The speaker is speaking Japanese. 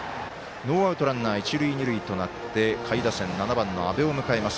ノーアウトランナー、一塁二塁となって下位打線７番の安部を迎えます。